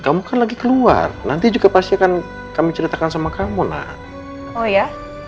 kamu kan lagi keluar nanti juga pasti akan kami ceritakan sama kamu nak oh ya